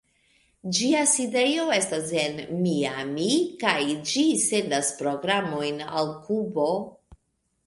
Ĝia sidejo estas en Miami kaj ĝi sendas programojn al Kubo.